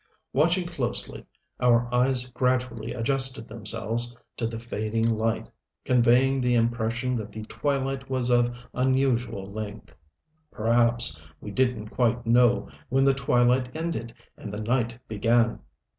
Watching closely, our eyes gradually adjusted themselves to the fading light, conveying the impression that the twilight was of unusual length. Perhaps we didn't quite know when the twilight ended and the night began.